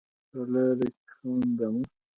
په لاره کې خانده مه.